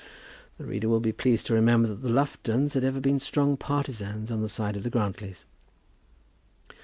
The reader will be pleased to remember that the Luftons had ever been strong partisans on the side of the Grantlys.